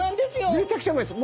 めちゃくちゃうまいです。